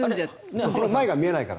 前が見えないから。